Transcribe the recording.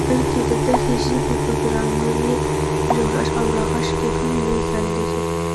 بلکي د دغي ژبي په ګرامري جوړښت او رغښت کي هم لوی ځای لري.